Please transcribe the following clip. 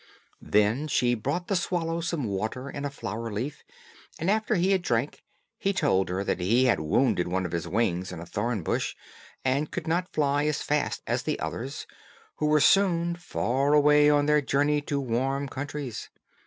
Then she brought the swallow some water in a flower leaf, and after he had drank, he told her that he had wounded one of his wings in a thorn bush, and could not fly as fast as the others, who were soon far away on their journey to warm countries.